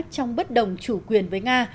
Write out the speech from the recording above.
trong bất đồng chủ quyền với nga